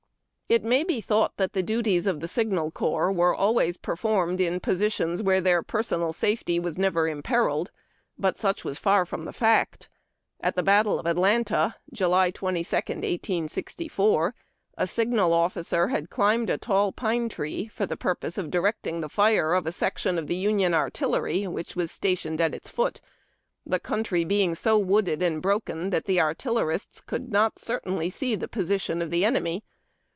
It may be thought that the duties of the Signal Corps were always performed in positions where their personal TALKING FLAGS AND TORCHES. 405 safety was never imperilled. But such was far from the fact. At the battle of Atlanta, July 22, 1864, a signal offi cer had climbed a tall pine tree, for the purpose of directing the fire of a section of Union artillery, which was stationed at its foot, the country being so wooded and broken that the artillerists could not certainly see the position of the enemy.